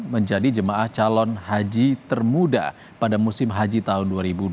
menjadi jemaah calon haji termuda pada musim haji tahun dua ribu dua puluh